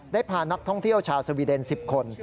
ได้พานักท่องเที่ยวชาวสวีเดน๑๐คน